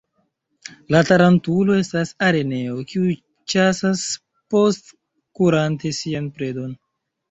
La tarantulo estas araneo, kiu ĉasas postkurante sian predon.